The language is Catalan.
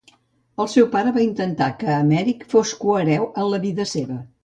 El seu pare va intentar que Emeric fos cohereu en vida seva.